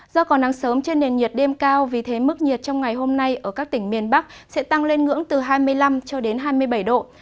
do còn nắng sớm trên nền nhiệt đêm cao vì thế mức nhiệt trong ngày hôm nay ở các tỉnh miền bắc sẽ tăng lên ngưỡng từ hai mươi năm cho đến hai mươi bảy độ